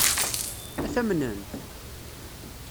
Ad t-amnent?